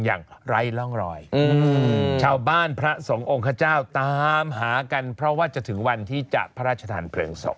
สนุนโดยอีซูซูดีแมคบลูพาวเวอร์นวัตกรรมเปลี่ยนโลก